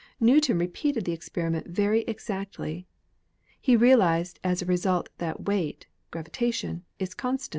Newton repeated the experiment very ex actly. He realized as a result that weight (gravitation) is constant.